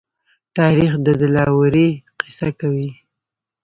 تاریخ د دلاورۍ قصه کوي.